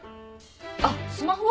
あっスマホは？